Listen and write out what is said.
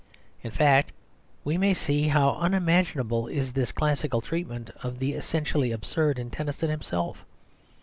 In fact, we may see how unmanageable is this classical treatment of the essentially absurd in Tennyson himself.